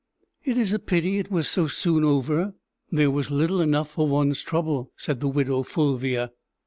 "It is a pity it was so soon over there was little enough for one's trouble," said the widow Fulvia.